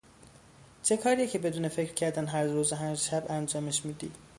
چه کاریه که بدون فکر کردن، هر روز و هر شب انجامش میدی؟